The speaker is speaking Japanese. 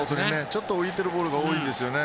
ちょっと浮いているボールが多いんですよね。